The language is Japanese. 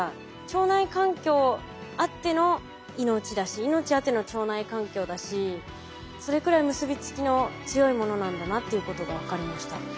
腸内環境あっての命だし命あっての腸内環境だしそれくらい結び付きの強いものなんだなっていうことが分かりました。